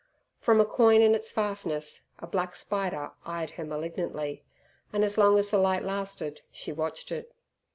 From a coign in its fastness a black spider eyed her malignantly, and as long as the light lasted she watched it.